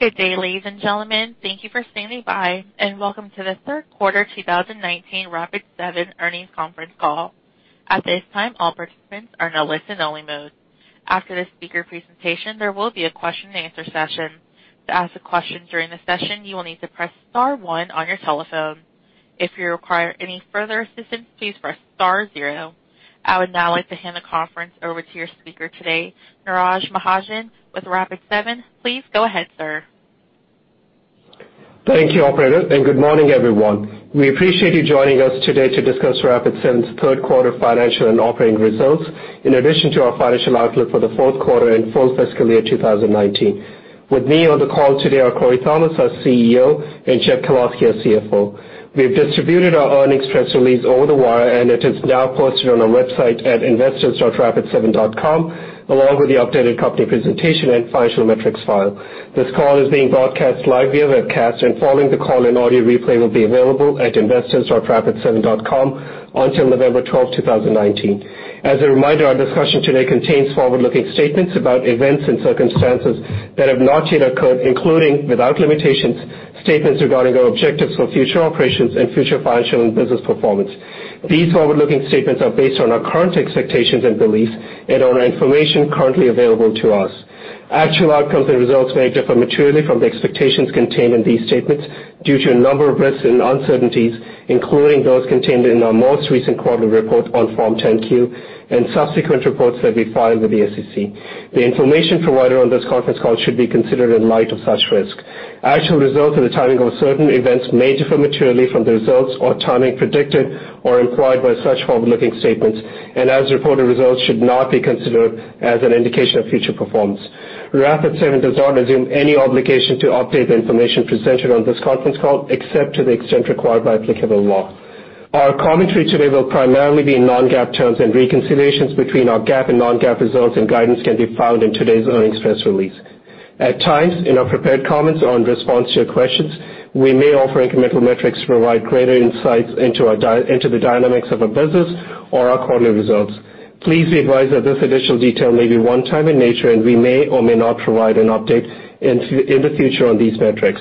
Good day, ladies and gentlemen. Thank you for standing by, and welcome to the Third Quarter 2019 Rapid7 Earnings Conference Call. At this time, all participants are in a listen only mode. After the speaker presentation, there will be a question and answer session. To ask a question during the session, you will need to press star one on your telephone. If you require any further assistance, please press star zero. I would now like to hand the conference over to your speaker today, Neeraj Mahajan, with Rapid7. Please go ahead, sir. Thank you, operator, and good morning, everyone. We appreciate you joining us today to discuss Rapid7's third quarter financial and operating results, in addition to our financial outlook for the fourth quarter and full fiscal year 2019. With me on the call today are Corey Thomas, our CEO, and Jeff Kalowski, our CFO. We've distributed our earnings press release over the wire, and it is now posted on our website at investors.rapid7.com, along with the updated company presentation and financial metrics file. This call is being broadcast live via webcast, and following the call, an audio replay will be available at investors.rapid7.com until November 12th, 2019. As a reminder, our discussion today contains forward-looking statements about events and circumstances that have not yet occurred, including, without limitations, statements regarding our objectives for future operations and future financial and business performance. These forward-looking statements are based on our current expectations and beliefs and on information currently available to us. Actual outcomes and results may differ materially from the expectations contained in these statements due to a number of risks and uncertainties, including those contained in our most recent quarterly report on Form 10-Q and subsequent reports that we file with the SEC. The information provided on this conference call should be considered in light of such risk. Actual results and the timing of certain events may differ materially from the results or timing predicted or implied by such forward-looking statements, and as reported results should not be considered as an indication of future performance. Rapid7 does not assume any obligation to update the information presented on this conference call, except to the extent required by applicable law. Our commentary today will primarily be in non-GAAP terms, and reconciliations between our GAAP and non-GAAP results and guidance can be found in today's earnings press release. At times, in our prepared comments or in response to your questions, we may offer incremental metrics to provide greater insights into the dynamics of our business or our quarterly results. Please be advised that this additional detail may be one-time in nature and we may or may not provide an update in the future on these metrics.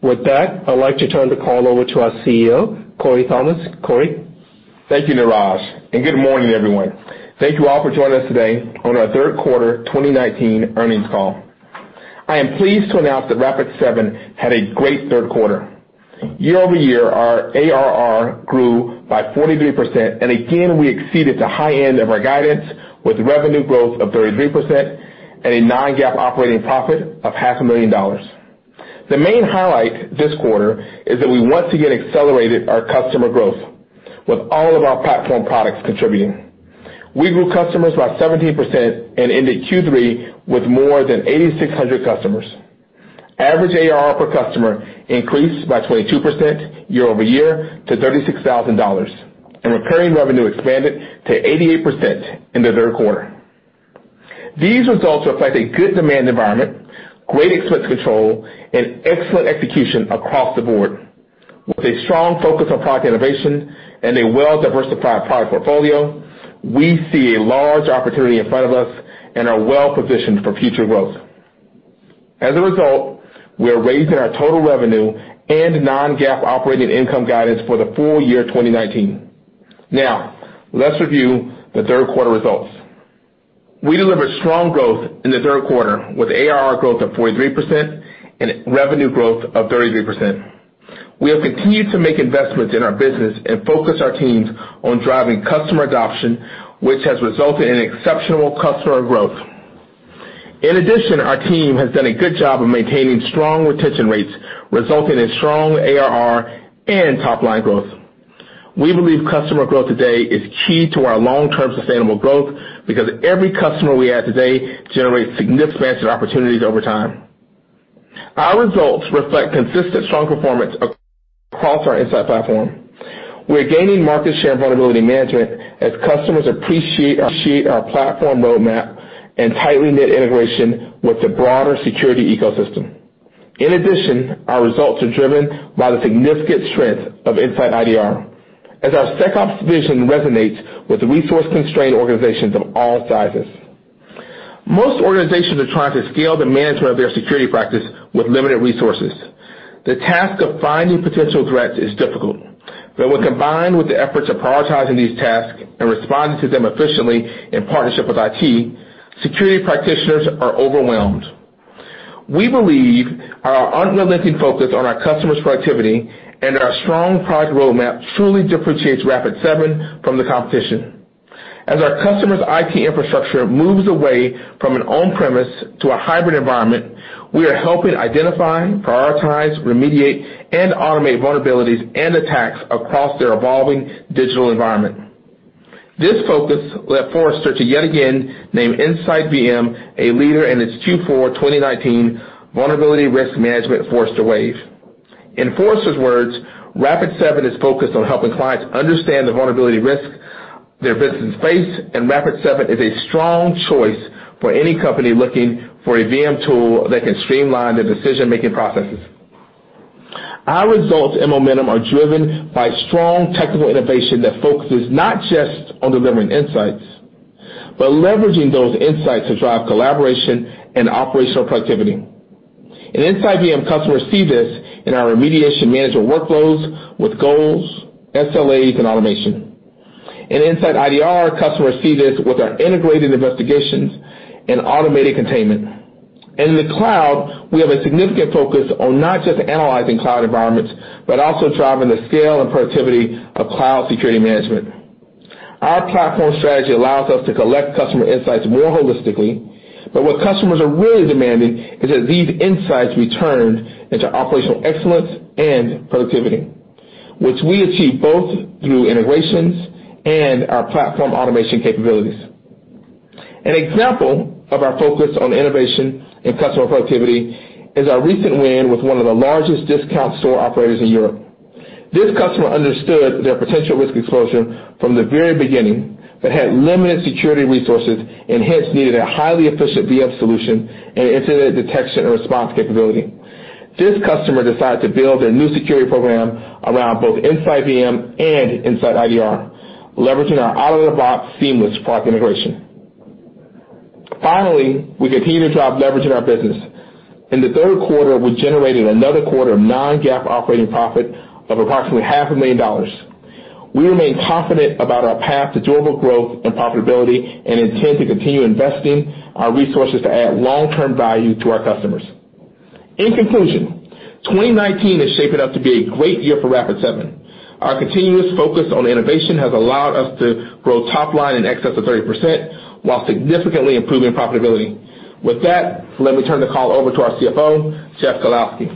With that, I'd like to turn the call over to our CEO, Corey Thomas. Corey? Thank you, Neeraj, and good morning, everyone. Thank you all for joining us today on our third quarter 2019 earnings call. I am pleased to announce that Rapid7 had a great third quarter. year-over-year, our ARR grew by 43%, and again, we exceeded the high end of our guidance with revenue growth of 33% and a non-GAAP operating profit of $500,000. The main highlight this quarter is that we once again accelerated our customer growth with all of our platform products contributing. We grew customers by 17% and ended Q3 with more than 8,600 customers. Average ARR per customer increased by 22% year-over-year to $36,000, and recurring revenue expanded to 88% in the third quarter. These results reflect a good demand environment, great expense control, and excellent execution across the board. With a strong focus on product innovation and a well-diversified product portfolio, we see a large opportunity in front of us and are well-positioned for future growth. As a result, we are raising our total revenue and non-GAAP operating income guidance for the full year 2019. Now, let's review the third quarter results. We delivered strong growth in the third quarter with ARR growth of 43% and revenue growth of 33%. We have continued to make investments in our business and focus our teams on driving customer adoption, which has resulted in exceptional customer growth. In addition, our team has done a good job of maintaining strong retention rates, resulting in strong ARR and top-line growth. We believe customer growth today is key to our long-term sustainable growth because every customer we add today generates significant opportunities over time. Our results reflect consistent, strong performance across our Insight platform. We're gaining market share in vulnerability management as customers appreciate our platform roadmap and tightly knit integration with the broader security ecosystem. Our results are driven by the significant strength of InsightIDR as our SecOps vision resonates with resource-constrained organizations of all sizes. Most organizations are trying to scale the management of their security practice with limited resources. The task of finding potential threats is difficult. When combined with the efforts of prioritizing these tasks and responding to them efficiently in partnership with IT, security practitioners are overwhelmed. We believe our unrelenting focus on our customers' productivity and our strong product roadmap truly differentiates Rapid7 from the competition. As our customers' IT infrastructure moves away from an on-premise to a hybrid environment, we are helping identify, prioritize, remediate, and automate vulnerabilities and attacks across their evolving digital environment. This focus led Forrester to yet again name InsightVM a leader in its Q4 2019 Vulnerability Risk Management Forrester Wave. In Forrester's words, "Rapid7 is focused on helping clients understand the vulnerability risks their businesses face, and Rapid7 is a strong choice for any company looking for a VM tool that can streamline the decision-making processes." Our results and momentum are driven by strong technical innovation that focuses not just on delivering insights, but leveraging those insights to drive collaboration and operational productivity. In InsightVM, customers see this in our remediation management workflows with goals, SLAs, and automation. In InsightIDR, customers see this with our integrated investigations and automated containment. In the cloud, we have a significant focus on not just analyzing cloud environments, but also driving the scale and productivity of cloud security management. Our platform strategy allows us to collect customer insights more holistically, but what customers are really demanding is that these insights be turned into operational excellence and productivity, which we achieve both through integrations and our platform automation capabilities. An example of our focus on innovation and customer productivity is our recent win with one of the largest discount store operators in Europe. This customer understood their potential risk exposure from the very beginning, but had limited security resources and hence needed a highly efficient VM solution and incident detection and response capability. This customer decided to build their new security program around both InsightVM and InsightIDR, leveraging our out-of-the-box seamless product integration. Finally, we continue to drive leverage in our business. In the third quarter, we generated another quarter of non-GAAP operating profit of approximately $500,000. We remain confident about our path to durable growth and profitability and intend to continue investing our resources to add long-term value to our customers. In conclusion, 2019 is shaping up to be a great year for Rapid7. Our continuous focus on innovation has allowed us to grow top line in excess of 30%, while significantly improving profitability. With that, let me turn the call over to our CFO, Jeff Kalowski.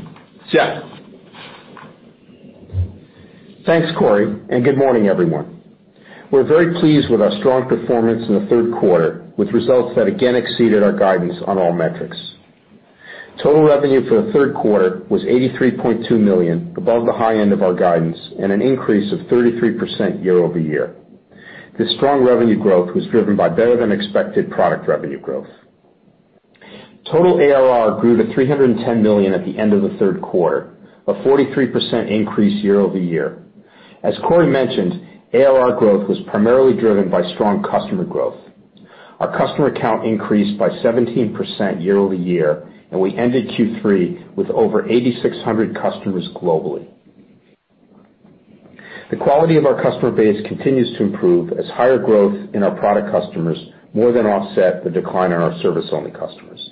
Jeff? Thanks, Corey. Good morning, everyone. We're very pleased with our strong performance in the third quarter, with results that again exceeded our guidance on all metrics. Total revenue for the third quarter was $83.2 million, above the high end of our guidance and an increase of 33% year-over-year. This strong revenue growth was driven by better-than-expected product revenue growth. Total ARR grew to $310 million at the end of the third quarter, a 43% increase year-over-year. As Corey mentioned, ARR growth was primarily driven by strong customer growth. Our customer count increased by 17% year-over-year. We ended Q3 with over 8,600 customers globally. The quality of our customer base continues to improve as higher growth in our product customers more than offset the decline in our service-only customers.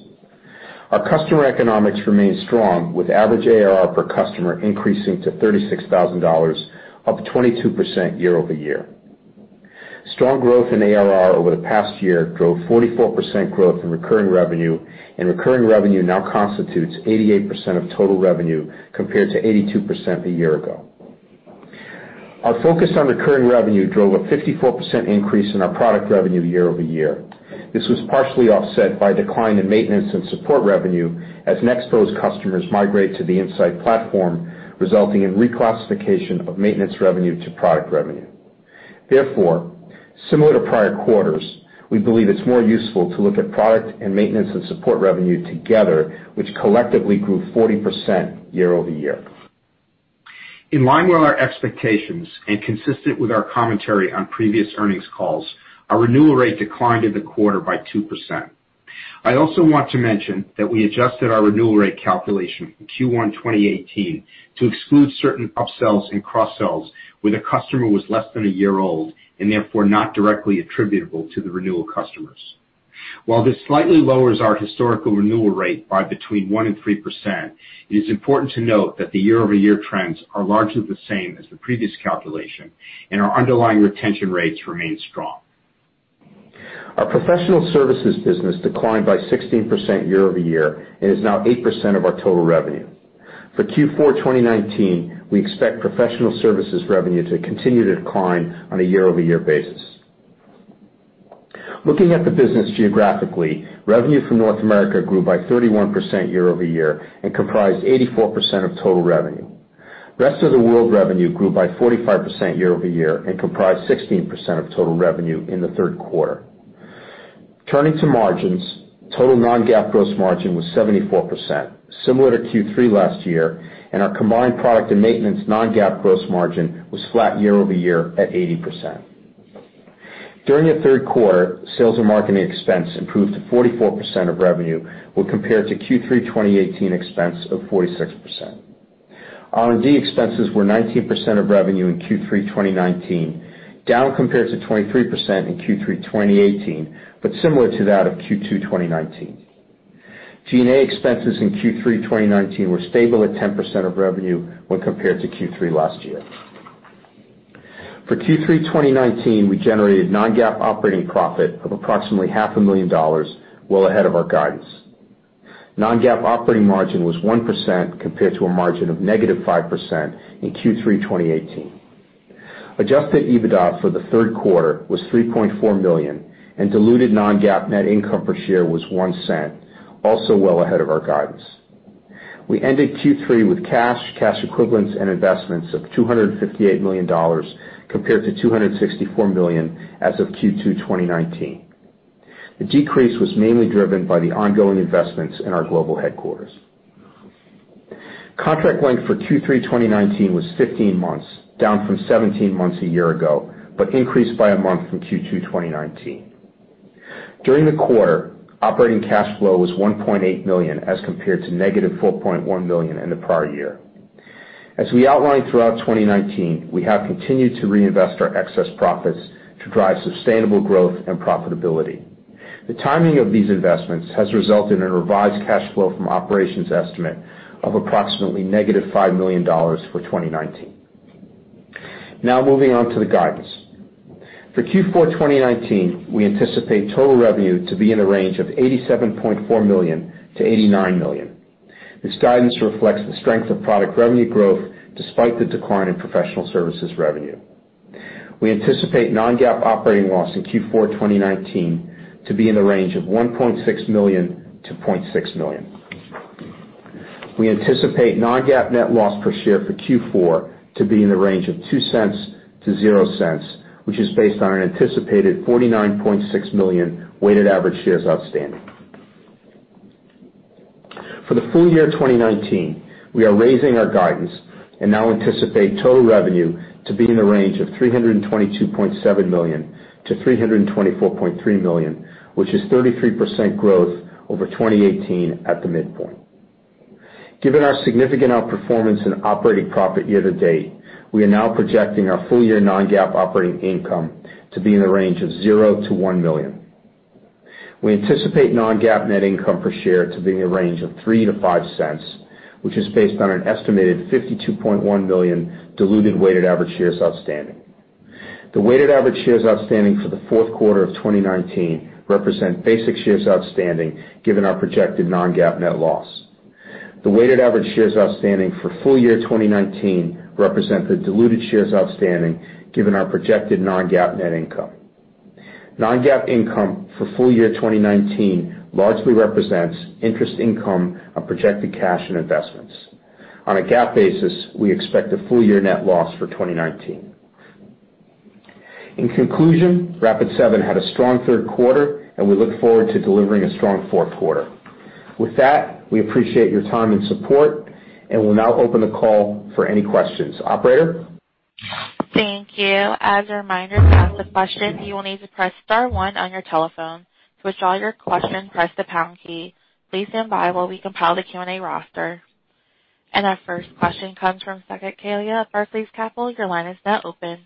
Our customer economics remain strong, with average ARR per customer increasing to $36,000, up 22% year-over-year. Strong growth in ARR over the past year drove 44% growth in recurring revenue. Recurring revenue now constitutes 88% of total revenue, compared to 82% a year ago. Our focus on recurring revenue drove a 54% increase in our product revenue year-over-year. This was partially offset by decline in maintenance and support revenue as Nexpose customers migrate to the Insight platform, resulting in reclassification of maintenance revenue to product revenue. Similar to prior quarters, we believe it's more useful to look at product and maintenance and support revenue together, which collectively grew 40% year-over-year. In line with our expectations and consistent with our commentary on previous earnings calls, our renewal rate declined in the quarter by 2%. I also want to mention that we adjusted our renewal rate calculation in Q1 2018 to exclude certain upsells and cross-sells where the customer was less than one year old and therefore not directly attributable to the renewal customers. While this slightly lowers our historical renewal rate by between 1% and 3%, it is important to note that the year-over-year trends are largely the same as the previous calculation, and our underlying retention rates remain strong. Our professional services business declined by 16% year-over-year and is now 8% of our total revenue. For Q4 2019, we expect professional services revenue to continue to decline on a year-over-year basis. Looking at the business geographically, revenue from North America grew by 31% year-over-year and comprised 84% of total revenue. Rest of the world revenue grew by 45% year-over-year and comprised 16% of total revenue in the third quarter. Turning to margins, total non-GAAP gross margin was 74%, similar to Q3 last year, and our combined product and maintenance non-GAAP gross margin was flat year-over-year at 80%. During the third quarter, sales and marketing expense improved to 44% of revenue when compared to Q3 2018 expense of 46%. R&D expenses were 19% of revenue in Q3 2019, down compared to 23% in Q3 2018, but similar to that of Q2 2019. G&A expenses in Q3 2019 were stable at 10% of revenue when compared to Q3 last year. For Q3 2019, we generated non-GAAP operating profit of approximately $500,000, well ahead of our guidance. Non-GAAP operating margin was 1% compared to a margin of -5% in Q3 2018. Adjusted EBITDA for the third quarter was $3.4 million and diluted non-GAAP net income per share was $0.01, also well ahead of our guidance. We ended Q3 with cash, cash equivalents, and investments of $258 million compared to $264 million as of Q2 2019. The decrease was mainly driven by the ongoing investments in our global headquarters. Contract length for Q3 2019 was 15 months, down from 17 months a year ago, but increased by a month from Q2 2019. During the quarter, operating cash flow was $1.8 million as compared to -$4.1 million in the prior year. As we outlined throughout 2019, we have continued to reinvest our excess profits to drive sustainable growth and profitability. The timing of these investments has resulted in a revised cash flow from operations estimate of approximately -$5 million for 2019. Now moving on to the guidance. For Q4 2019, we anticipate total revenue to be in the range of $87.4 million-$89 million. This guidance reflects the strength of product revenue growth despite the decline in professional services revenue. We anticipate non-GAAP operating loss in Q4 2019 to be in the range of $1.6 million-$0.6 million. We anticipate non-GAAP net loss per share for Q4 to be in the range of $0.02-$0.00, which is based on an anticipated 49.6 million weighted average shares outstanding. For the full year 2019, we are raising our guidance and now anticipate total revenue to be in the range of $322.7 million-$324.3 million, which is 33% growth over 2018 at the midpoint. Given our significant outperformance in operating profit year-to-date, we are now projecting our full year non-GAAP operating income to be in the range of $0-$1 million. We anticipate non-GAAP net income per share to be in the range of $0.03 to $0.05, which is based on an estimated 52.1 million diluted weighted average shares outstanding. The weighted average shares outstanding for the fourth quarter of 2019 represent basic shares outstanding, given our projected non-GAAP net loss. The weighted average shares outstanding for full year 2019 represent the diluted shares outstanding, given our projected non-GAAP net income. Non-GAAP income for full year 2019 largely represents interest income on projected cash and investments. On a GAAP basis, we expect a full year net loss for 2019. In conclusion, Rapid7 had a strong third quarter and we look forward to delivering a strong fourth quarter. With that, we appreciate your time and support and we'll now open the call for any questions. Operator? Thank you. As a reminder, to ask a question, you will need to press star one on your telephone. To withdraw your question, press the pound key. Please stand by while we compile the Q&A roster. Our first question comes from Saket Kalia at Barclays Capital. Your line is now open.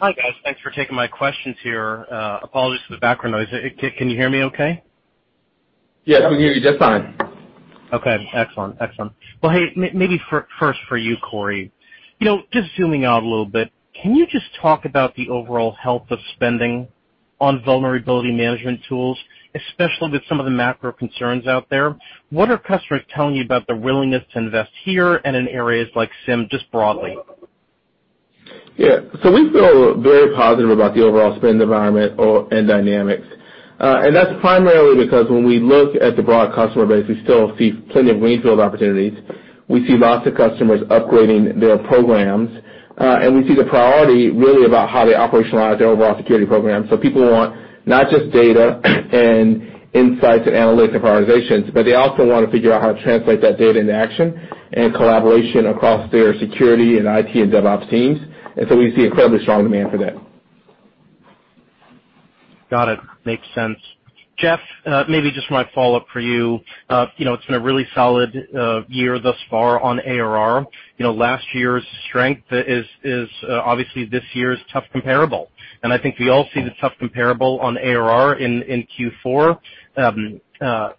Hi, guys. Thanks for taking my questions here. Apologies for the background noise. Can you hear me okay? Yes, we can hear you just fine. Okay. Excellent. Well, hey, maybe first for you, Corey. Just zooming out a little bit, can you just talk about the overall health of spending on vulnerability management tools, especially with some of the macro concerns out there? What are customers telling you about their willingness to invest here and in areas like SIEM, just broadly? Yeah. We feel very positive about the overall spend environment and dynamics. That's primarily because when we look at the broad customer base, we still see plenty of greenfield opportunities. We see lots of customers upgrading their programs, and we see the priority really about how they operationalize their overall security program. People want not just data and insights and analytics and prioritizations, but they also want to figure out how to translate that data into action and collaboration across their security and IT and DevOps teams. We see incredibly strong demand for that. Got it. Makes sense. Jeff, maybe just my follow-up for you. It's been a really solid year thus far on ARR. Last year's strength is obviously this year's tough comparable, and I think we all see the tough comparable on ARR in Q4. I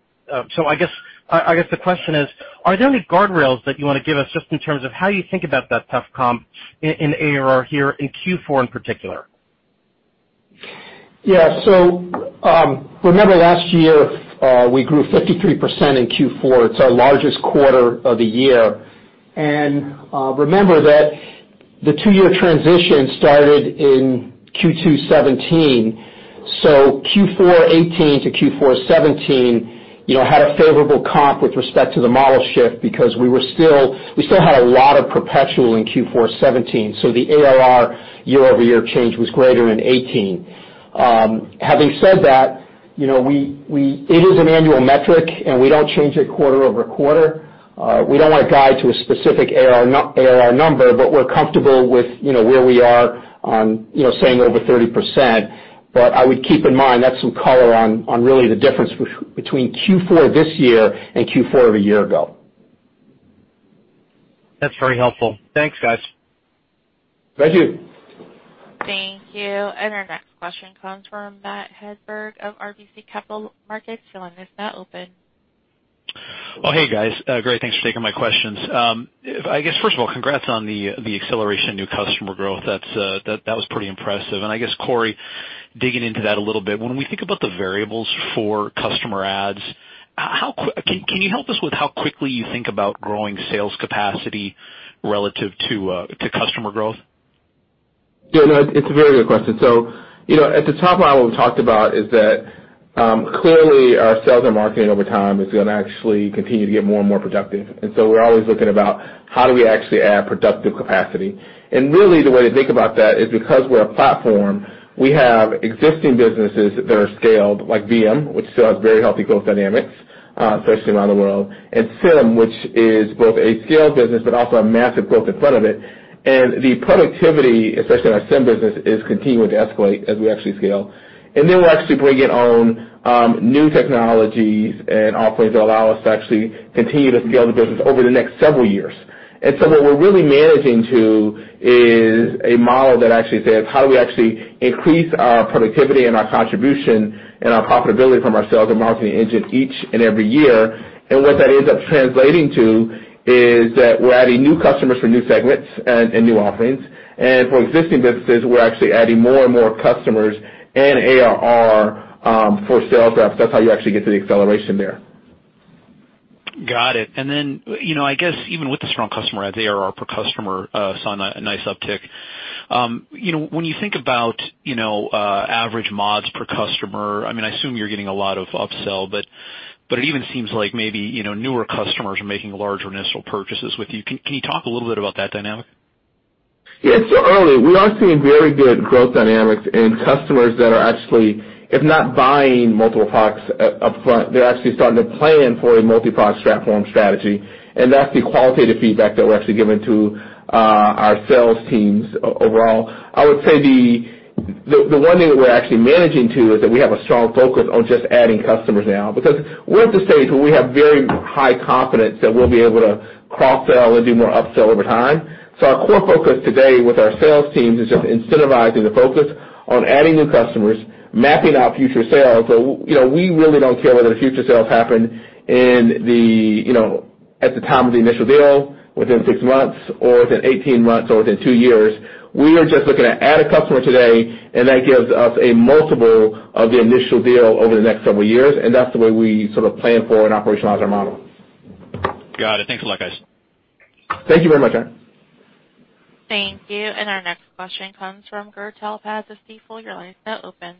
guess the question is, are there any guardrails that you want to give us just in terms of how you think about that tough comp in ARR here in Q4 in particular? Yeah. Remember last year, we grew 53% in Q4. It's our largest quarter of the year. Remember that the two-year transition started in Q2 2017. Q4 2018 to Q4 2017 had a favorable comp with respect to the model shift because we still had a lot of perpetual in Q4 2017, so the ARR year-over-year change was greater than 2018. Having said that, it is an annual metric, and we don't change it quarter-over-quarter. We don't want to guide to a specific ARR number, but we're comfortable with where we are on saying over 30%. I would keep in mind, that's some color on really the difference between Q4 this year and Q4 of a year ago. That's very helpful. Thanks, guys. Thank you. Thank you. Our next question comes from Matt Hedberg of RBC Capital Markets. Your line is now open. Oh, hey, guys. Great. Thanks for taking my questions. I guess, first of all, congrats on the acceleration of new customer growth. That was pretty impressive. I guess, Corey, digging into that a little bit, when we think about the variables for customer adds, can you help us with how quickly you think about growing sales capacity relative to customer growth? Yeah, no, it's a very good question. At the top level, what we talked about is that clearly our sales and marketing over time is going to actually continue to get more and more productive. We're always looking about how do we actually add productive capacity. Really the way to think about that is because we're a platform, we have existing businesses that are scaled, like VM, which still has very healthy growth dynamics, especially around the world, and SIEM, which is both a scaled business but also a massive growth in front of it. The productivity, especially in our SIEM business, is continuing to escalate as we actually scale. We're actually bringing on new technologies and offerings that allow us to actually continue to scale the business over the next several years. What we're really managing to is a model that actually says, how do we actually increase our productivity and our contribution and our profitability from our sales and marketing engine each and every year? What that ends up translating to is that we're adding new customers for new segments and new offerings. For existing businesses, we're actually adding more and more customers and ARR for sales reps. That's how you actually get to the acceleration there. Got it. I guess even with the strong customer adds, the ARR per customer saw a nice uptick. When you think about average modules per customer, I assume you're getting a lot of upsell, but it even seems like maybe newer customers are making larger initial purchases with you. Can you talk a little bit about that dynamic? Yeah. Early, we are seeing very good growth dynamics in customers that are actually, if not buying multiple products up front, they're actually starting to plan for a multi-product platform strategy. That's the qualitative feedback that we're actually giving to our sales teams overall. I would say the one thing that we're actually managing to is that we have a strong focus on just adding customers now, because we're at the stage where we have very high confidence that we'll be able to cross-sell and do more upsell over time. Our core focus today with our sales teams is just incentivizing the focus on adding new customers, mapping out future sales. We really don't care whether the future sales happen at the time of the initial deal, within six months, or within 18 months or within two years. We are just looking to add a customer today, and that gives us a multiple of the initial deal over the next several years, and that's the way we sort of plan for and operationalize our model. Got it. Thanks a lot, guys. Thank you very much, Matt. Thank you. Our next question comes from Gur Talpaz of Stifel. Your line is now open.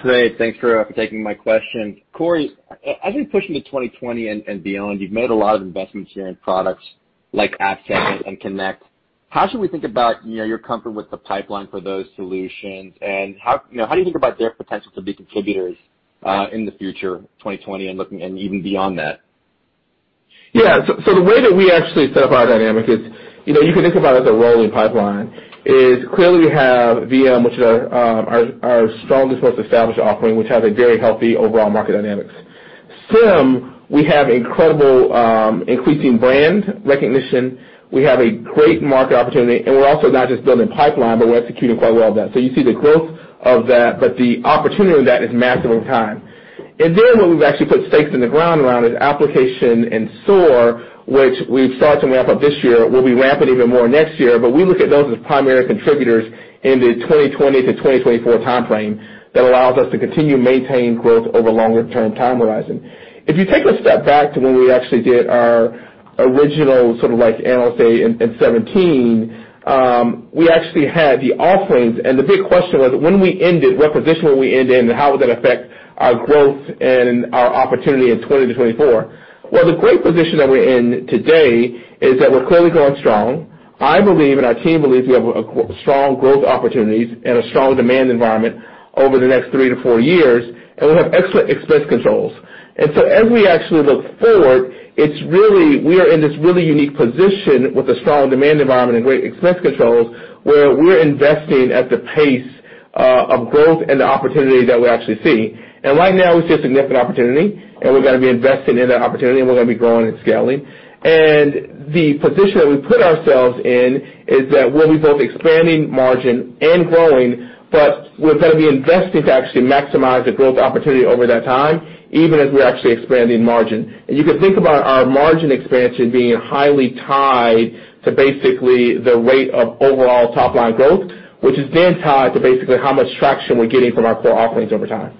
Great. Thanks for taking my question. Corey, as we push into 2020 and beyond, you've made a lot of investments here in products like AppSpider and InsightConnect. How should we think about your comfort with the pipeline for those solutions, how do you think about their potential to be contributors in the future, 2020 and even beyond that? Yeah. The way that we actually set up our dynamic is, you can think about it as a rolling pipeline, is clearly we have VM, which is our strongest, most established offering, which has a very healthy overall market dynamics. SIEM, we have incredible increasing brand recognition. We have a great market opportunity, and we're also not just building pipeline, but we're executing quite well there. You see the growth of that, but the opportunity of that is massive over time. What we've actually put stakes in the ground around is application and SOAR, which we've started to ramp up this year. We'll be ramping even more next year, but we look at those as primary contributors in the 2020-2024 timeframe that allows us to continue maintaining growth over longer-term time horizon. If you take a step back to when we actually did our original sort of like analyst day in 2017, we actually had the offerings. The big question was when we ended, what position will we end in, and how would that affect our growth and our opportunity in 2020-2024? Well, the great position that we're in today is that we're clearly growing strong. I believe, and our team believes we have strong growth opportunities and a strong demand environment over the next three to four years. We have excellent expense controls. As we actually look forward, we are in this really unique position with a strong demand environment and great expense controls, where we're investing at the pace of growth and the opportunity that we actually see. Right now, we see a significant opportunity, and we're going to be investing in that opportunity, and we're going to be growing and scaling. The position that we put ourselves in is that we'll be both expanding margin and growing, but we're going to be investing to actually maximize the growth opportunity over that time, even as we're actually expanding margin. You can think about our margin expansion being highly tied to basically the rate of overall top-line growth, which is then tied to basically how much traction we're getting from our core offerings over time.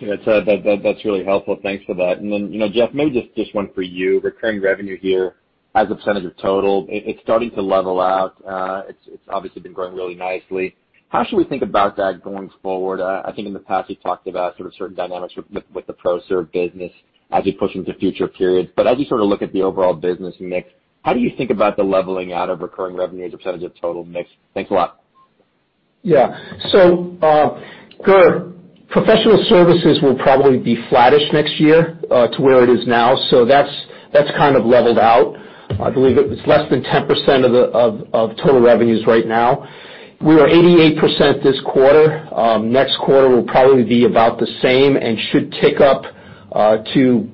That's really helpful. Thanks for that. Then, Jeff, maybe just this one for you. Recurring revenue here as a percentage of total, it's starting to level out. It's obviously been growing really nicely. How should we think about that going forward? I think in the past, you've talked about sort of certain dynamics with the ProServ business as we push into future periods. As you sort of look at the overall business mix, how do you think about the leveling out of recurring revenue as a percentage of total mix? Thanks a lot. Gur, professional services will probably be flattish next year to where it is now. That's kind of leveled out. I believe it's less than 10% of total revenues right now. We are 88% this quarter. Next quarter will probably be about the same and should tick up to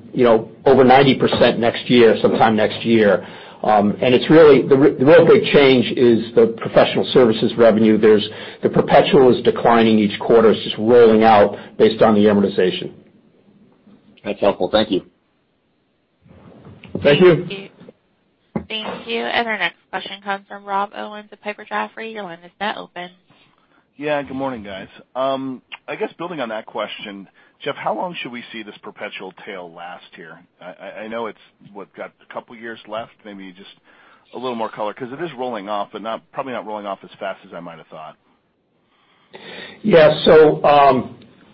over 90% next year, sometime next year. The real big change is the professional services revenue. The perpetual is declining each quarter. It's just rolling out based on the amortization. That's helpful. Thank you. Thank you. Thank you. Our next question comes from Rob Owens of Piper Jaffray. Your line is now open. Yeah. Good morning, guys. I guess building on that question, Jeff, how long should we see this perpetual tail last here? I know it's, what, got a couple of years left, maybe just a little more color, because it is rolling off, but probably not rolling off as fast as I might have thought. Yes.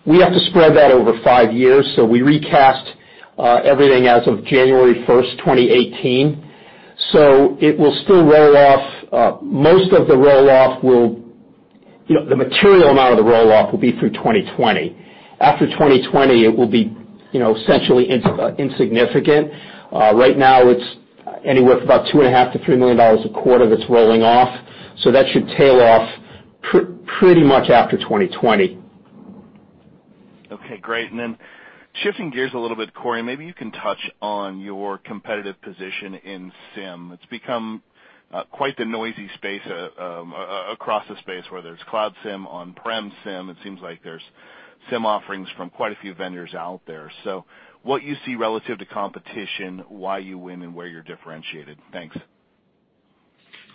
We have to spread that over five years. We recast everything as of January 1st, 2018. It will still roll off. The material amount of the roll-off will be through 2020. After 2020, it will be essentially insignificant. Right now, it's anywhere from about $2.5 million-$3 million a quarter that's rolling off. That should tail off pretty much after 2020. Okay, great. Shifting gears a little bit, Corey, maybe you can touch on your competitive position in SIEM. It's become quite the noisy space across the space, whether it's cloud SIEM, on-prem SIEM. It seems like there's SIEM offerings from quite a few vendors out there. What you see relative to competition, why you win, and where you're differentiated. Thanks.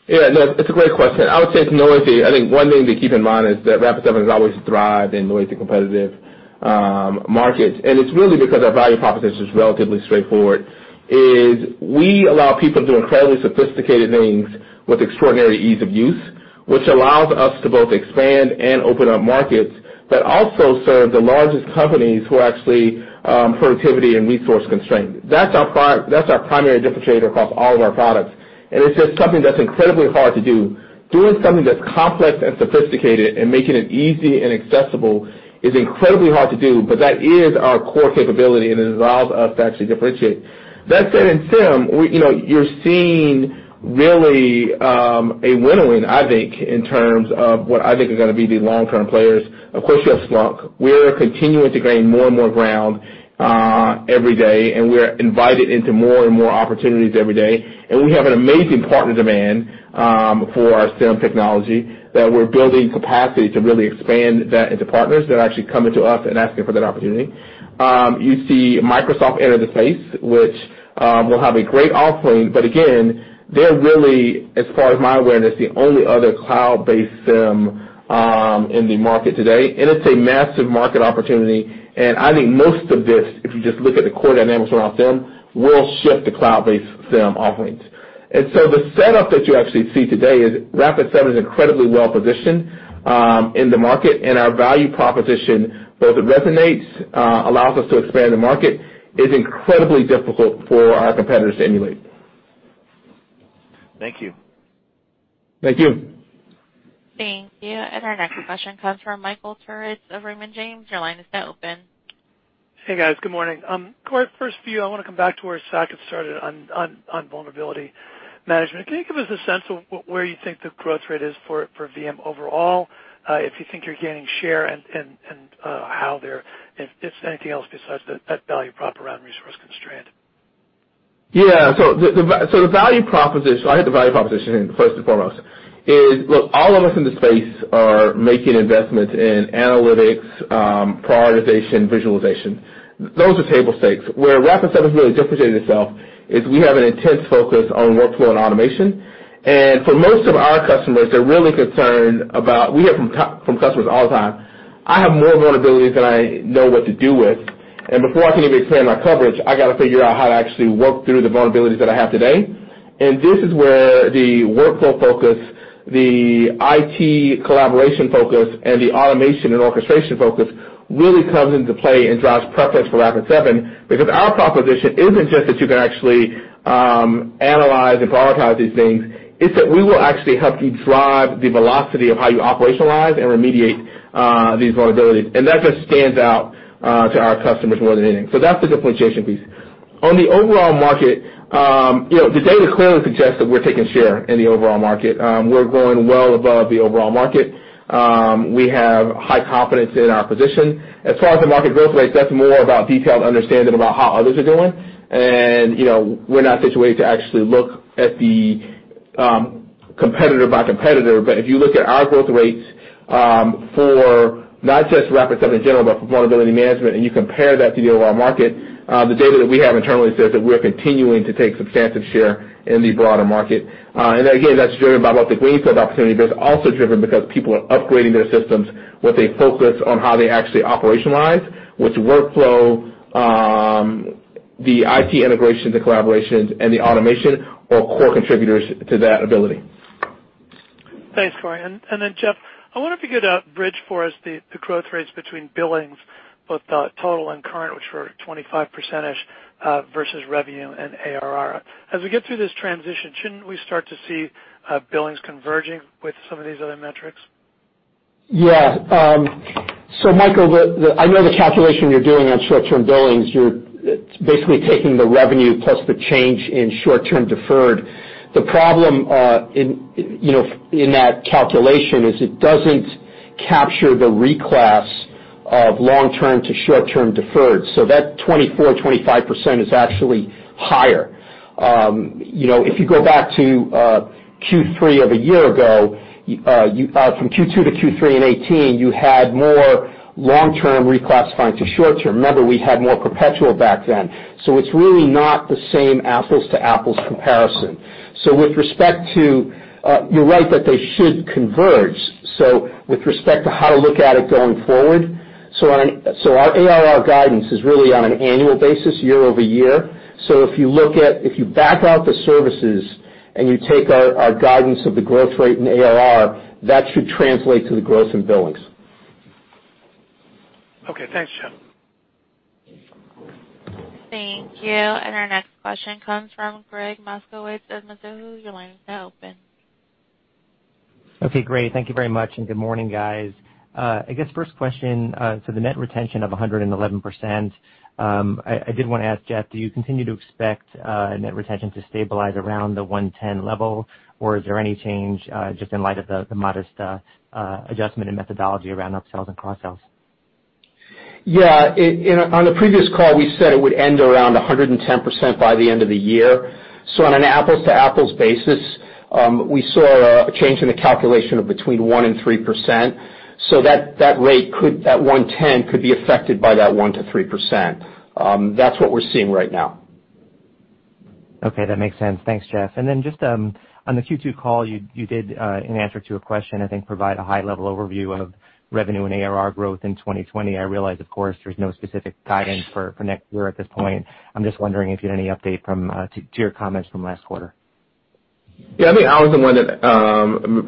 Yeah, no, it's a great question. I would say it's noisy. I think one thing to keep in mind is that Rapid7 has always thrived in noisy, competitive markets. It's really because our value proposition is relatively straightforward, is we allow people to do incredibly sophisticated things with extraordinary ease of use, which allows us to both expand and open up markets, but also serve the largest companies who are actually productivity and resource constrained. That's our primary differentiator across all of our products, and it's just something that's incredibly hard to do. Doing something that's complex and sophisticated and making it easy and accessible is incredibly hard to do, but that is our core capability, and it allows us to actually differentiate. That said, in SIEM, you're seeing really a winnowing, I think, in terms of what I think are going to be the long-term players. Of course, you have Splunk. We're continuing to gain more and more ground every day, we are invited into more and more opportunities every day. We have an amazing partner demand for our SIEM technology that we're building capacity to really expand that into partners that are actually coming to us and asking for that opportunity. You see Microsoft enter the space, which will have a great offering, but again, they're really, as far as my awareness, the only other cloud-based SIEM in the market today, it's a massive market opportunity. I think most of this, if you just look at the core dynamics around SIEM, will shift to cloud-based SIEM offerings. The setup that you actually see today is Rapid7 is incredibly well-positioned in the market, our value proposition both resonates, allows us to expand the market. It's incredibly difficult for our competitors to emulate. Thank you. Thank you. Thank you. Our next question comes from Michael Turits of Raymond James. Your line is now open. Hey, guys. Good morning. Corey, first for you, I want to come back to where Saket started on vulnerability management. Can you give us a sense of where you think the growth rate is for VM overall, if you think you're gaining share, and if it's anything else besides that value prop around resource constraint? Yeah. I hit the value proposition first and foremost is, look, all of us in the space are making investments in analytics, prioritization, visualization. Those are table stakes. Where Rapid7 has really differentiated itself is we have an intense focus on workflow and automation. For most of our customers, we hear from customers all the time, "I have more vulnerabilities than I know what to do with. Before I can even expand my coverage, I got to figure out how to actually work through the vulnerabilities that I have today." This is where the workflow focus, the IT collaboration focus, and the automation and orchestration focus really comes into play and drives preference for Rapid7, because our proposition isn't just that you can actually analyze and prioritize these things. It's that we will actually help you drive the velocity of how you operationalize and remediate these vulnerabilities. That just stands out to our customers more than anything. That's the differentiation piece. On the overall market, the data clearly suggests that we're taking share in the overall market. We're growing well above the overall market. We have high confidence in our position. As far as the market growth rates, that's more about detailed understanding about how others are doing, and we're not situated to actually look at the competitor by competitor. If you look at our growth rates for not just Rapid7 in general, but for vulnerability management, and you compare that to the overall market, the data that we have internally says that we're continuing to take substantive share in the broader market. Again, that's driven by both the greenfield opportunity, but it's also driven because people are upgrading their systems with a focus on how they actually operationalize, which workflow, the IT integrations and collaborations, and the automation are core contributors to that ability. Thanks, Corey. Jeff, I wonder if you could bridge for us the growth rates between billings, both the total and current, which were 25%-ish, versus revenue and ARR. As we get through this transition, shouldn't we start to see billings converging with some of these other metrics? Yeah. Michael, I know the calculation you're doing on short-term billings. You're basically taking the revenue plus the change in short-term deferred. The problem in that calculation is it doesn't capture the reclass of long-term to short-term deferred. That 24%-25% is actually higher. If you go back to Q3 of a year ago, from Q2 to Q3 in 2018, you had more long-term reclassifying to short-term. Remember, we had more perpetual back then. It's really not the same apples to apples comparison. You're right that they should converge. With respect to how to look at it going forward. Our ARR guidance is really on an annual basis year-over-year. If you back out the services and you take our guidance of the growth rate in ARR, that should translate to the growth in billings. Okay, thanks, Jeff. Thank you. Our next question comes from Gregg Moskowitz of Mizuho. Your line is now open. Okay, great. Thank you very much, and good morning, guys. I guess first question, the net retention of 111%, I did want to ask, Jeff, do you continue to expect net retention to stabilize around the 110 level, or is there any change just in light of the modest adjustment in methodology around upsells and cross-sells? On the previous call, we said it would end around 110% by the end of the year. On an apples-to-apples basis, we saw a change in the calculation of between 1% and 3%. That rate, that 110 could be affected by that 1%-3%. That's what we're seeing right now. Okay, that makes sense. Thanks, Jeff. Then just on the Q2 call, you did, in answer to a question, I think provide a high-level overview of revenue and ARR growth in 2020. I realize, of course, there's no specific guidance for next year at this point. I'm just wondering if you had any update to your comments from last quarter? I think I was the one that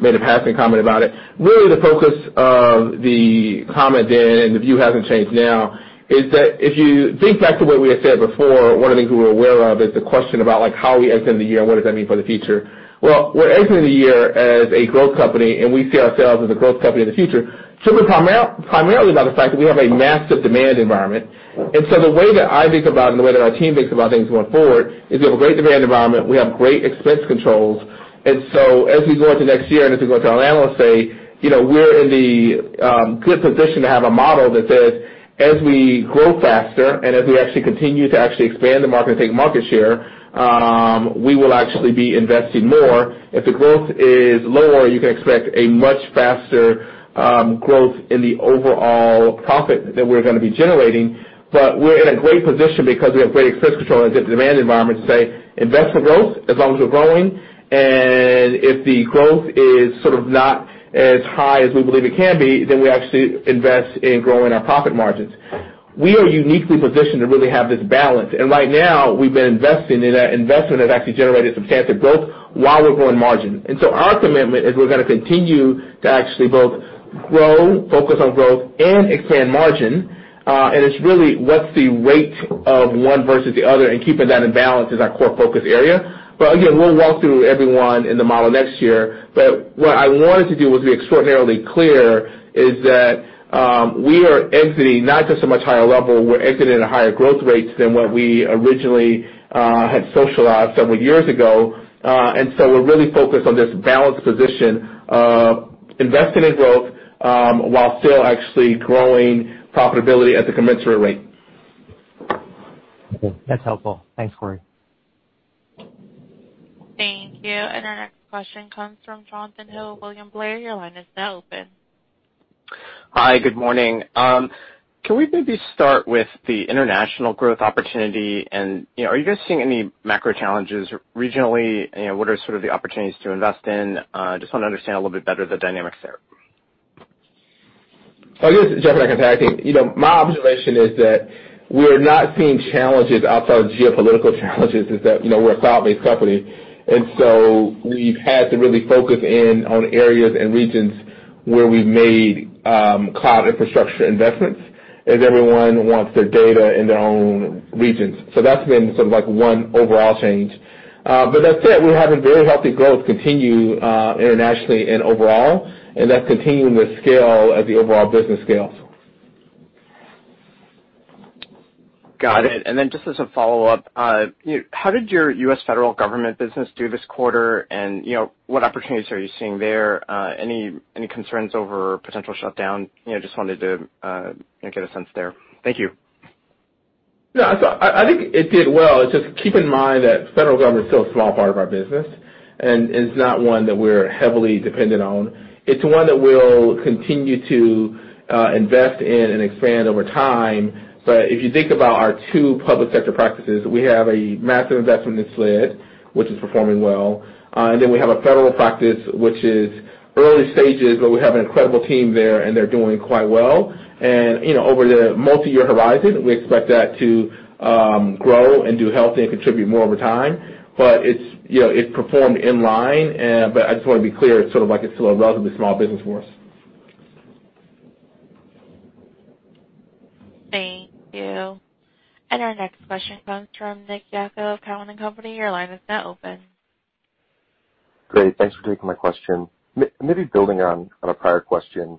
made a passing comment about it. The focus of the comment then, and the view hasn't changed now, is that if you think back to what we had said before, one of the things we were aware of is the question about how we exit the year and what does that mean for the future. We're exiting the year as a growth company, and we see ourselves as a growth company in the future simply primarily by the fact that we have a massive demand environment. The way that I think about it, and the way that our team thinks about things going forward, is we have a great demand environment, we have great expense controls. As we go into next year, and as we go to our analysts, say, we're in the good position to have a model that says, as we grow faster and as we actually continue to actually expand the market and take market share, we will actually be investing more. If the growth is lower, you can expect a much faster growth in the overall profit that we're going to be generating. We're in a great position because we have great expense control and a good demand environment to, say, invest for growth as long as we're growing, and if the growth is sort of not as high as we believe it can be, then we actually invest in growing our profit margins. We are uniquely positioned to really have this balance. Right now we've been investing, and that investment has actually generated substantial growth while we're growing margin. Our commitment is we're going to continue to actually both grow, focus on growth, and expand margin. It's really what's the rate of one versus the other, and keeping that in balance is our core focus area. Again, we'll walk through everyone in the model next year. What I wanted to do was be extraordinarily clear is that we are exiting, not just a much higher level, we're exiting at a higher growth rates than what we originally had socialized several years ago. We're really focused on this balanced position of investing in growth, while still actually growing profitability at the commensurate rate. Okay, that's helpful. Thanks, Corey. Thank you. Our next question comes from Jonathan Ho of William Blair. Your line is now open. Hi, good morning. Can we maybe start with the international growth opportunity? Are you guys seeing any macro challenges regionally? What are sort of the opportunities to invest in? Just want to understand a little bit better the dynamics there. I guess, Jeff, I can start. I think my observation is that we're not seeing challenges outside of geopolitical challenges, is that, we're a cloud-based company, we've had to really focus in on areas and regions where we've made cloud infrastructure investments, as everyone wants their data in their own regions. That's been sort of one overall change. That said, we're having very healthy growth continue internationally and overall, that's continuing the scale as the overall business scales. Got it. Just as a follow-up, how did your U.S. federal government business do this quarter? What opportunities are you seeing there? Any concerns over potential shutdown? Just wanted to get a sense there. Thank you. No, I think it did well. Just keep in mind that federal government is still a small part of our business, and it's not one that we're heavily dependent on. It's one that we'll continue to invest in and expand over time. If you think about our two public sector practices, we have a massive investment in SLED, which is performing well. We have a federal practice, which is early stages, but we have an incredible team there, and they're doing quite well. Over the multi-year horizon, we expect that to grow and do healthy and contribute more over time. It performed in line. I just want to be clear, it's still a relatively small business for us. Thank you. Our next question comes from Nick Yako of Cowen and Company. Your line is now open. Great. Thanks for taking my question. Maybe building on a prior question,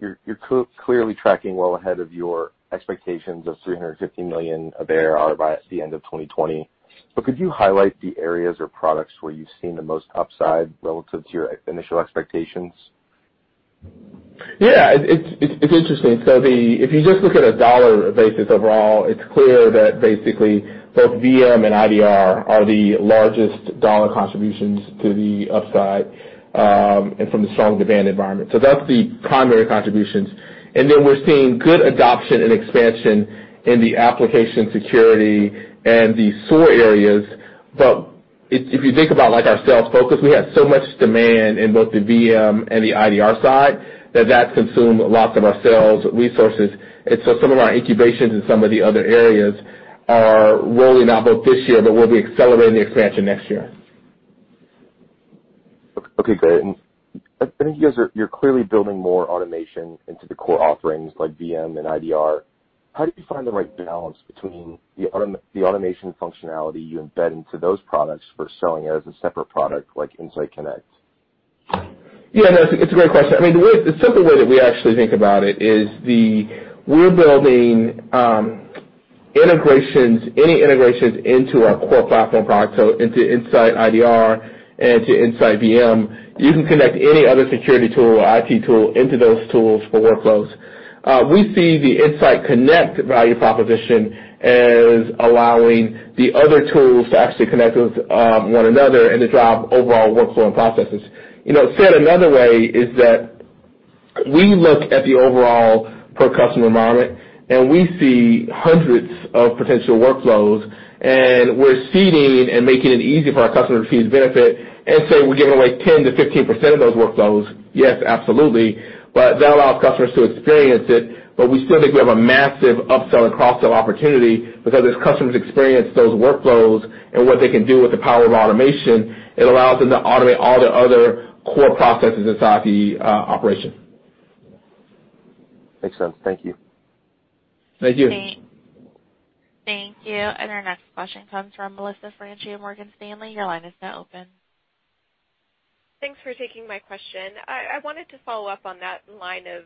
you're clearly tracking well ahead of your expectations of $350 million of ARR by the end of 2020. Could you highlight the areas or products where you've seen the most upside relative to your initial expectations? Yeah, it's interesting. If you just look at a dollar basis overall, it's clear that basically both VM and IDR are the largest dollar contributions to the upside, and from the strong demand environment. That's the primary contributions. We're seeing good adoption and expansion in the application security and the SOAR areas. If you think about our sales focus, we had so much demand in both the VM and the IDR side that that consumed lots of our sales resources. Some of our incubations in some of the other areas are rolling out both this year, but we'll be accelerating the expansion next year. Okay, great. I think you're clearly building more automation into the core offerings like VM and IDR. How do you find the right balance between the automation functionality you embed into those products versus selling it as a separate product like InsightConnect? Yeah, no, it's a great question. The simple way that we actually think about it is we're building any integrations into our core platform product, so into InsightIDR and to InsightVM. You can connect any other security tool or IT tool into those tools for workflows. We see the InsightConnect value proposition as allowing the other tools to actually connect with one another and to drive overall workflow and processes. Said another way is that we look at the overall per customer environment, and we see hundreds of potential workflows, and we're seeding and making it easy for our customers to use Benefit and so we're giving away 10%-15% of those workflows. Yes, absolutely. That allows customers to experience it, but we still think we have a massive upsell and cross-sell opportunity because as customers experience those workflows and what they can do with the power of automation, it allows them to automate all the other core processes inside the operation. Makes sense. Thank you. Thank you. Thank you. Our next question comes from Melissa Franchi of Morgan Stanley. Your line is now open. Thanks for taking my question. I wanted to follow up on that line of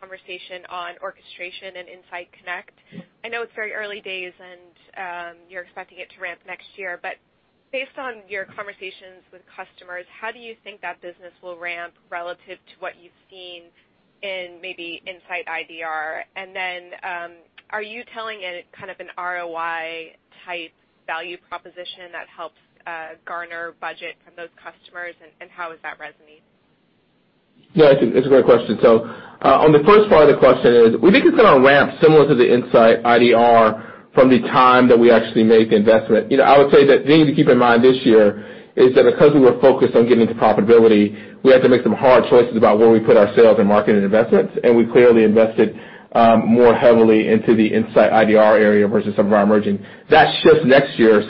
conversation on orchestration and InsightConnect. I know it's very early days, and you're expecting it to ramp next year, but based on your conversations with customers, how do you think that business will ramp relative to what you've seen in maybe InsightIDR? Are you telling it kind of an ROI-type value proposition that helps garner budget from those customers, and how does that resonate? Yeah, it's a great question. On the first part of the question is, we think it's going to ramp similar to the InsightIDR from the time that we actually make the investment. I would say that the thing to keep in mind this year is that because we were focused on getting into profitability, we had to make some hard choices about where we put our sales and marketing investments, and we clearly invested more heavily into the InsightIDR area versus some of our emerging. That shifts next year,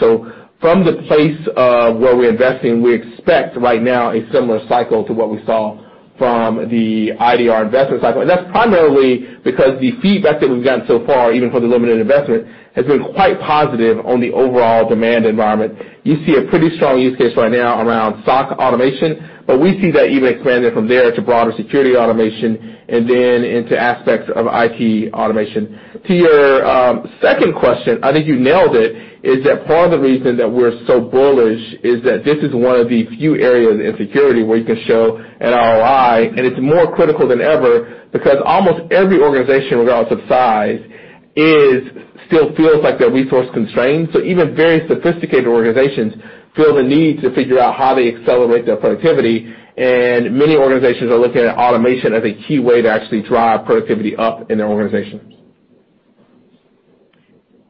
from the place of where we're investing, we expect right now a similar cycle to what we saw from the IDR investment cycle. That's primarily because the feedback that we've gotten so far, even from the limited investment, has been quite positive on the overall demand environment. You see a pretty strong use case right now around SOC automation. We see that even expanding from there to broader security automation and then into aspects of IT automation. To your second question, I think you nailed it, is that part of the reason that we're so bullish is that this is one of the few areas in security where you can show an ROI. It's more critical than ever because almost every organization, regardless of size, still feels like they're resource-constrained. Even very sophisticated organizations feel the need to figure out how they accelerate their productivity. Many organizations are looking at automation as a key way to actually drive productivity up in their organization.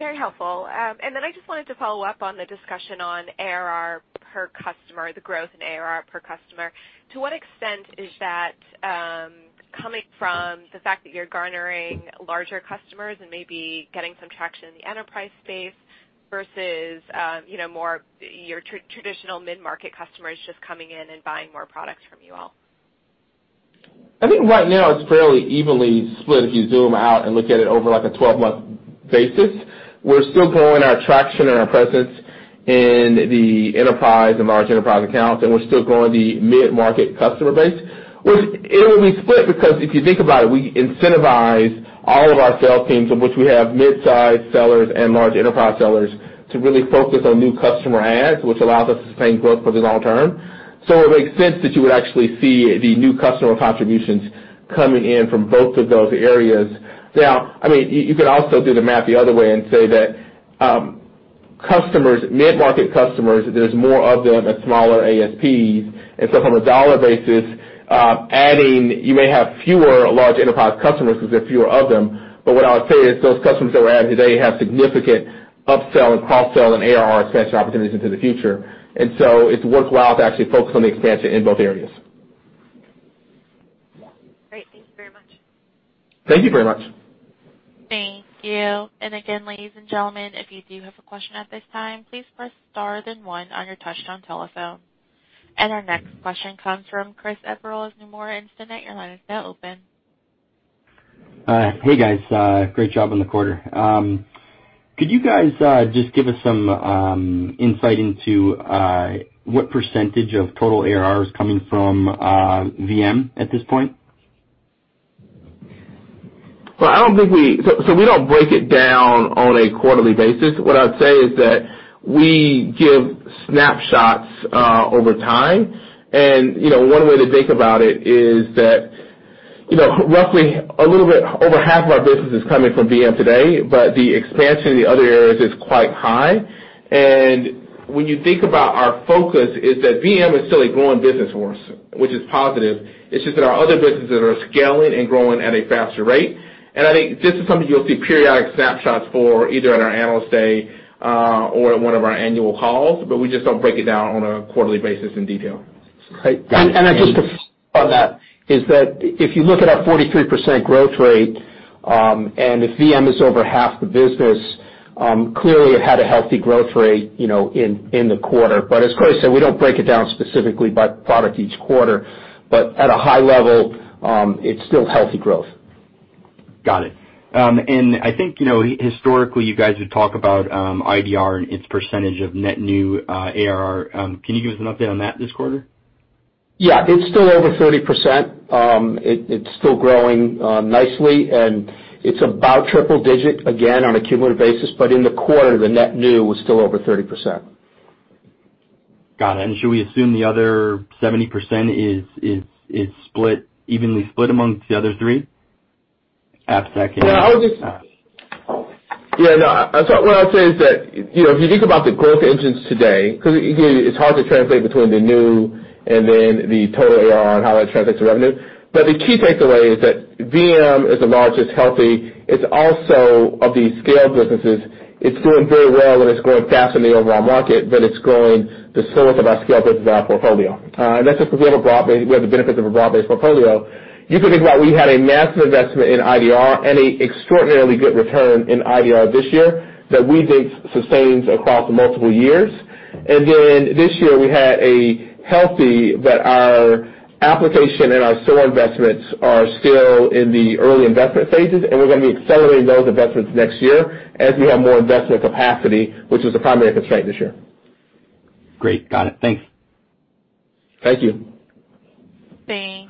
Very helpful. I just wanted to follow up on the discussion on ARR per customer, the growth in ARR per customer. To what extent is that coming from the fact that you're garnering larger customers and maybe getting some traction in the enterprise space versus more your traditional mid-market customers just coming in and buying more products from you all? I think right now it's fairly evenly split if you zoom out and look at it over a 12-month basis. We're still growing our traction and our presence in the enterprise and large enterprise accounts, and we're still growing the mid-market customer base. It will be split because if you think about it, we incentivize all of our sales teams, of which we have mid-size sellers and large enterprise sellers, to really focus on new customer adds, which allows us to sustain growth for the long term. It makes sense that you would actually see the new customer contributions coming in from both of those areas. You could also do the math the other way and say that mid-market customers, there's more of them at smaller ASPs, from a dollar basis, you may have fewer large enterprise customers because there are fewer of them. What I would say is those customers that we're adding today have significant upsell and cross-sell and ARR expansion opportunities into the future. It's worthwhile to actually focus on the expansion in both areas. Great. Thank you very much. Thank you very much. Thank you. Again, ladies and gentlemen, if you do have a question at this time, please press star then one on your touchtone telephone. Our next question comes from Chris Eberle of Nomura Instinet. Your line is now open. Hey, guys. Great job on the quarter. Could you guys just give us some insight into what % of total ARR is coming from VM at this point? We don't break it down on a quarterly basis. What I'd say is that we give snapshots over time. One way to think about it is that roughly a little bit over half of our business is coming from VM today, but the expansion in the other areas is quite high. When you think about our focus is that VM is still a growing business for us, which is positive. It's just that our other businesses are scaling and growing at a faster rate. I think this is something you'll see periodic snapshots for, either at our Analyst Day or at one of our annual calls, but we just don't break it down on a quarterly basis in detail. Great. Thank you. On that, is that if you look at our 43% growth rate, and if VM is over half the business, clearly it had a healthy growth rate in the quarter. As Corey said, we don't break it down specifically by product each quarter. At a high level, it's still healthy growth. Got it. I think historically you guys would talk about IDR and its percentage of net new ARR. Can you give us an update on that this quarter? Yeah, it's still over 30%. It's still growing nicely, and it's about triple digit again on a cumulative basis. In the quarter, the net new was still over 30%. Got it. Should we assume the other 70% is evenly split amongst the other three? Yeah, no. What I'd say is that, if you think about the growth engines today, because it's hard to translate between the new and then the total ARR and how that translates to revenue. The key takeaway is that VM is the largest, healthy. It's also of the scaled businesses. It's doing very well and it's growing faster than the overall market, but it's growing the slowest of our scale business portfolio. That's just because we have the benefit of a broad-based portfolio. You can think about we had a massive investment in IDR and a extraordinarily good return in IDR this year that we think sustains across multiple years. This year we had a healthy, but our application and our SOAR investments are still in the early investment phases. We're going to be accelerating those investments next year as we have more investment capacity, which was a primary constraint this year. Great, got it. Thanks. Thank you.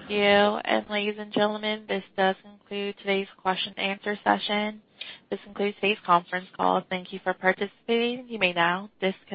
Thank you. Ladies and gentlemen, this does conclude today's question and answer session. This concludes today's conference call. Thank you for participating. You may now disconnect.